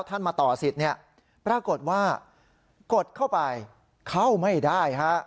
มาต่อสิทธิ์เนี่ยปรากฏว่ากดเข้าไปเข้าไม่ได้ฮะ